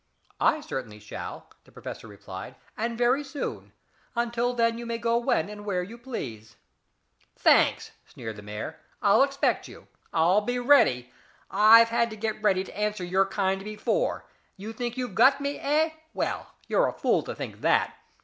"I certainly shall," the professor replied. "And very soon. Until then you may go when and where you please." "Thanks," sneered the mayor. "I'll expect you. I'll be ready. I've had to get ready to answer your kind before. You think you got me, eh? Well, you're a fool to think that.